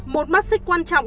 một mắt xích quan trọng